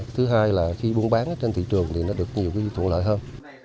thứ hai là khi buôn bán trên thị trường thì nó được nhiều thuận lợi hơn